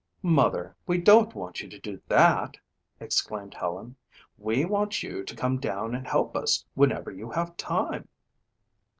"Mother, we don't want you to do that," exclaimed Helen. "We want you to come down and help us whenever you have time."